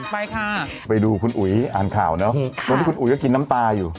ไปค่ะไปดูคุณอุ๋ยอ่านข่าวเนอะตอนนี้คุณอุ๋ยก็กินน้ำตาอยู่